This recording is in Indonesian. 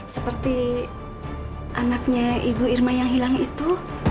seperti anaknya ibu irma yang hilang itu